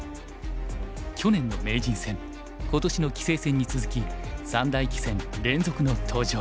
去年の名人戦今年の棋聖戦に続き三大棋戦連続の登場。